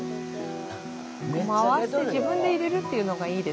回して自分で入れるっていうのがいいですね。